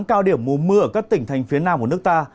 nhiệt độ cao điểm mùa mưa ở các tỉnh phía nam của nước ta